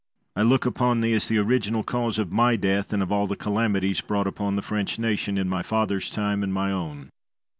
I look upon thee as the original cause of my death, and of all the calamities brought upon the French nation, in my father's time and my own.